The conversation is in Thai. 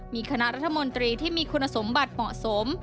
มีคณะรัฐมนตรีที่มีคุณสมบัติเหมาะสม